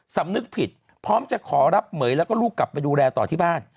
สำนึกผิดพร้อมจะขอรับเหม๋ยแล้วก็ลูกกลับไปดูแลต่อที่บ้าน